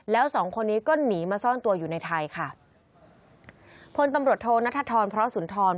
แล้วสองคนนี้ก็หนีมาซ่อนตัวอยู่ในไทยค่ะพลตำรวจโทนัทธรพระสุนทร